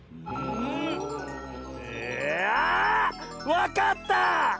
わかった！